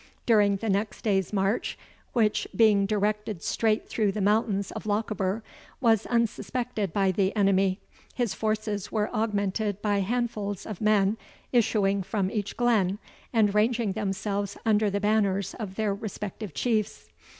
During the next day's march, which, being directed straight through the mountains of Lochaber, was unsuspected by the enemy, his forces were augmented by handfuls of men issuing from each glen, and ranging themselves under the banners of their respective Chiefs.